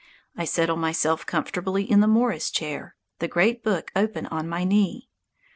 I settle myself comfortably in the morris chair, the great book open on my knee.